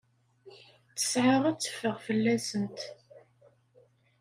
Ttesɛa ad teffeɣ fell-asent.